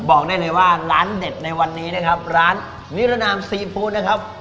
บอกได้เลยว่าร้านเด็ดในวันนี้นะครับร้านนิรนามซีฟู้ดนะครับ